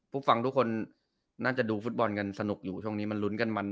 ผู้ฟังทุกคนน่าจะดูฟุตบอลกันสนุกอยู่ช่วงนี้มันลุ้นกันมัน